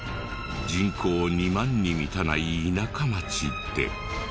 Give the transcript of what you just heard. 人口２万に満たない田舎町で。